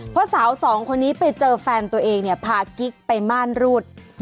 เพราะสาวสองคนนี้ไปเจอแฟนตัวเองเนี่ยพากิ๊กไปม่านรูด